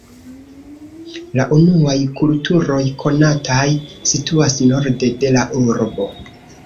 La unuaj kulturoj konataj situas norde de la urbo.